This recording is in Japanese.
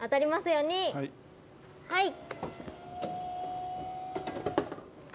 「はい！」